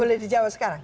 boleh dijawab sekarang